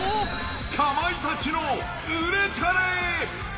かまいたちの売れチャレ。